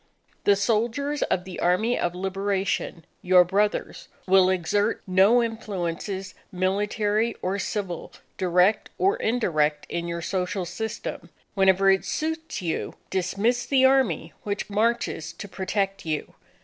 The soldiers of the Army of Liberation, your brothers, will exert no influences, military or civil, direct or indirect, in your social system. Whenever it suits you, dismiss the Army which marches to protect you.